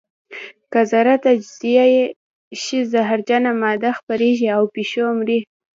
که ذره تجزیه شي زهرجنه ماده خپرېږي او پیشو مري.